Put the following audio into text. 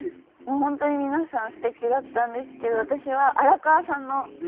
もう本当に皆さん素敵だったんですけど私は荒川さんのスピーチが。